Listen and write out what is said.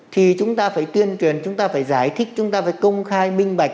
thì chúng ta phải tuyên truyền chúng ta phải giải thích chúng ta phải công khai minh bạch